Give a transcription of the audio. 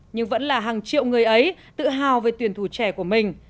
nhưng vẫn là hàng triệu người ấy tự hào về tuyển thủ trẻ của mình